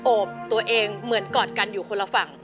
โอบตัวเองเหมือนกอดกันอยู่คนละฝั่ง